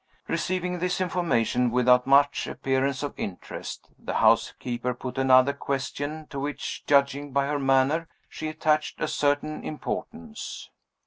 Receiving this information without much appearance of interest, the housekeeper put another question, to which, judging by her manner, she attached a certain importance.